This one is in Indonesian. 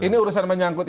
ini urusan menyangkut